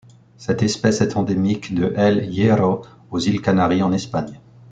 Cette espèce est endémique de El Hierro aux îles Canaries en Espagne.